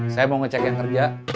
saya mau ngecek yang kerja